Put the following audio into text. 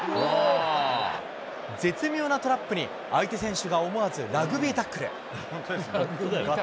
絶妙なトラップに、相手選手が思わずラグビータックル。